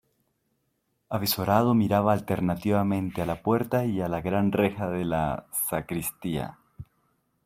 avizorado miraba alternativamente a la puerta y a la gran reja de la sacristía.